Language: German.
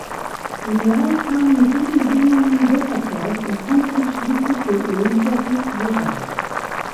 Lyon kam mit diesen Bedingungen besser zurecht und konnte sich schließlich den Olympiasieg sichern.